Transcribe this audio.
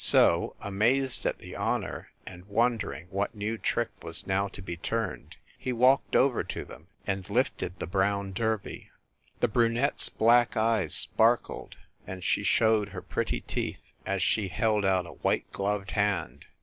So, amazed at the honor, and wondering what new trick was now to be turned, he walked over to them, and lifted the brown derby. The brunette s black eyes sparkled and she showed her pretty teeth as she held out a white gloved hand.